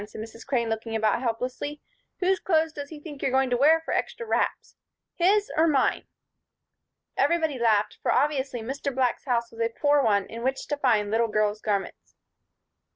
said Mrs. Crane, looking about helplessly. "Whose clothes does he think you're going to wear for 'extra wraps'? His, or mine?" Everybody laughed, for obviously Mr. Black's house was a poor one in which to find little girls' garments.